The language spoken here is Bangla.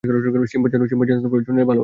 সিম্বার জন্য অর্জুনের ভালোবাসা।